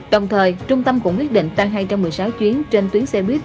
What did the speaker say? đồng thời trung tâm cũng quyết định tăng hai trăm một mươi sáu chuyến trên tuyến xe buýt